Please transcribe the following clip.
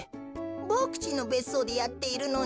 ボクちんのべっそうでやっているのに。